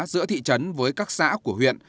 giữa thị trấn với các xã của huyện